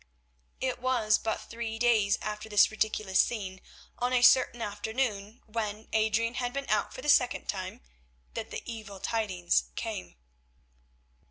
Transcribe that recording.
It was but three days after this ridiculous scene, on a certain afternoon, when Adrian had been out for the second time, that the evil tidings came.